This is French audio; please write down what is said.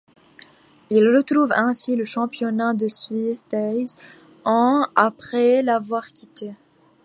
Il retrouve ainsi le championnat de Suisse treize ans après l'avoir quitté.